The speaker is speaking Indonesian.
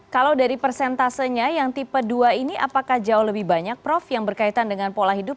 kalau dari persentasenya yang tipe dua ini apakah jauh lebih banyak prof yang berkaitan dengan pola hidup